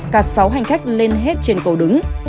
cả sáu hành khách lên hết trên cầu đứng